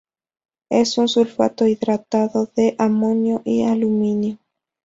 Es un sulfato hidratado de amonio y aluminio.